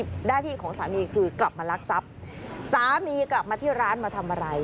หน้าที่ของสามีคือกลับมาลักทรัพย์สามีกลับมาที่ร้านมาทำอะไร